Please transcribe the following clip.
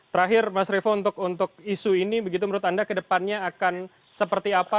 terakhir mas revo untuk isu ini begitu menurut anda ke depannya akan seperti apa